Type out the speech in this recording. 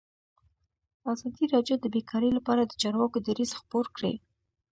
ازادي راډیو د بیکاري لپاره د چارواکو دریځ خپور کړی.